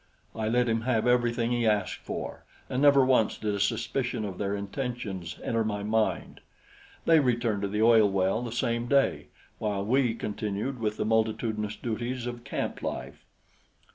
I let him have everything he asked for, and never once did a suspicion of their intentions enter my mind. They returned to the oil well the same day, while we continued with the multitudinous duties of camp life.